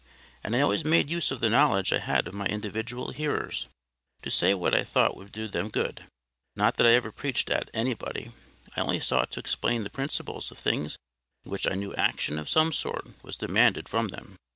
And I always made use of the knowledge I had of my individual hearers, to say what I thought would do them good. Not that I ever preached AT anybody; I only sought to explain the principles of things in which I knew action of some sort was demanded from them.